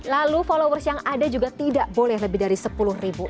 lalu followers yang ada juga tidak boleh lebih dari sepuluh ribu